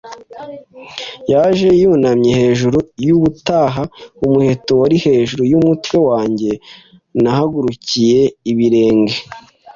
yaje yunamye hejuru yubutaha. Umuheto wari hejuru yumutwe wanjye. Nahagurukiye ibirenge